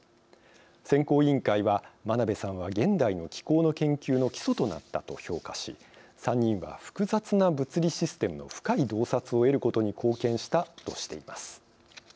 選考委員会は真鍋さんは、現代の気候の研究の基礎となったと評価し３人は、複雑な物理システムの深い洞察を得ることに貢献したとしています。